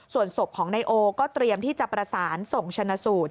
ส่วนศพของนายโอก็เตรียมที่จะประสานส่งชนะสูตร